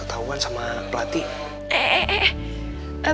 soalnya aku gak bisa lama lama takut ketauan sama pelatih